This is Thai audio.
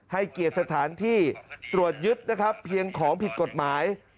ให้เกียรติสถานที่ตรวจยึดนะครับเพียงของผิดกฎหมาย